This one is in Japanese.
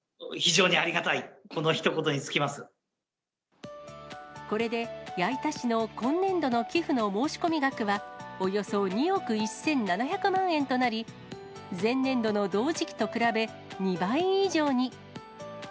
非常にありがたい、これで矢板市の今年度の寄付金の申し込み額は、およそ２億１７００万円となり、前年度の同時期と比べ、２倍以上に。